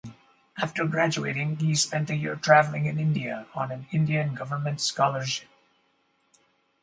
After graduating, he spent a year travelling in India on an Indian government scholarship.